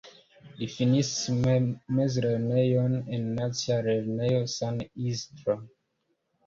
Li finis mezlernejon en Nacia Lernejo San Isidro.